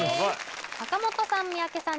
坂本さん三宅さん